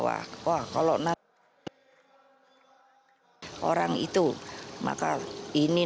dihumumkan menjadi orang dengan zat ini